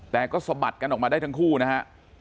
แต่ก็สะบัดกันออกมาได้ทั้งคู่นะฮะ